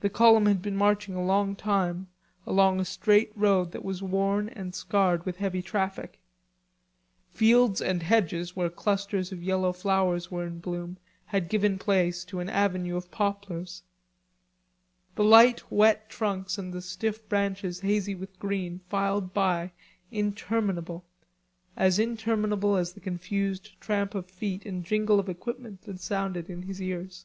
The column had been marching a long time along a straight road that was worn and scarred with heavy traffic. Fields and hedges where clusters of yellow flowers were in bloom had given place to an avenue of poplars. The light wet trunks and the stiff branches hazy with green filed by, interminable, as interminable as the confused tramp of feet and jingle of equipment that sounded in his ears.